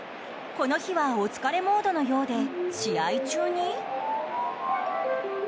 この日は、お疲れモードのようで試合中に。